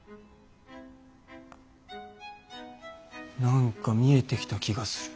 何か見えてきた気がする。